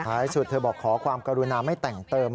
ท้ายสุดเธอบอกขอความกรุณาไม่แต่งเติม